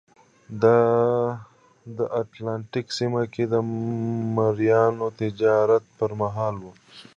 دا د اتلانتیک سیمه کې د مریانو تجارت پرمهال وه.